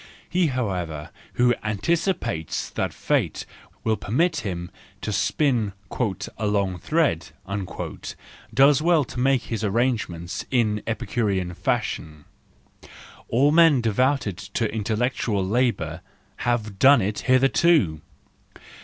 He, however, who anticipates that fate will permit him to spin " a long thread," does well to make his arrangements in Epicurean fashion; all men devoted to intellectual labour have done it hitherto